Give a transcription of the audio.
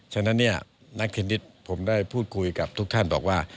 ฉะนั้นเนี่ยนักเทนนิสผมได้พูดคุยกับทุกท่านบอกว่า